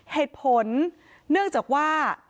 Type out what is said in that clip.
เหตุผลเนื่องจากว่า